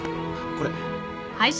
これ。